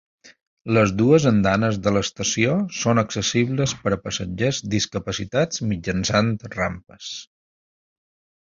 Les dues andanes de l'estació són accessibles per a passatgers discapacitats mitjançant rampes.